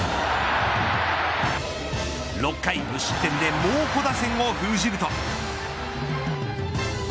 ６回無失点で猛虎打線を封じると。